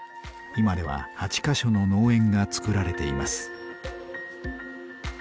今では８か所の農園がつくられています。